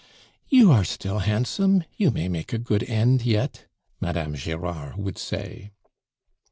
"Your are still handsome; you may make a good end yet," Madame Gerard would say.